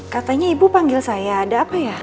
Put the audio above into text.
katanya ibu panggil saya ada apa ya